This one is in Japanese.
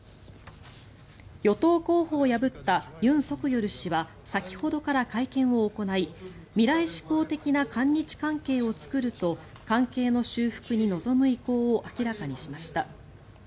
与党候補を破ったユン・ソクヨル氏は先ほどから会見を行い未来志向的な韓日関係を作ると関係の修復に臨む意向を明らかにしました。